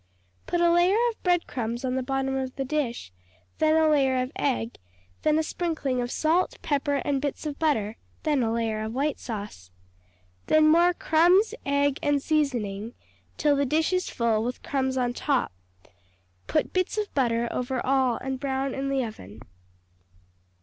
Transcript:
Put a layer of bread crumbs on the bottom of the dish, then a layer of egg, then a sprinkling of salt, pepper, and bits of butter, then a layer of white sauce. Then more crumbs, egg, and seasoning, till the dish is full, with crumbs on top. Put bits of butter over all and brown in the oven.